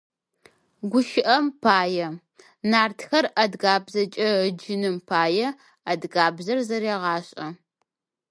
ГущыӀэм пае, «Нартхэр» адыгабзэкӏэ ыджыным пае адыгабзэр зэрегъашӀэ.